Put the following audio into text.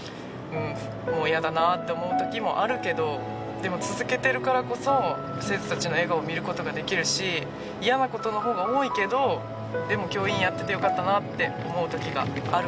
でも続けてるからこそ生徒たちの笑顔を見ることができるし嫌なことのほうが多いけどでも教員をやっててよかったなって思うときがあるから。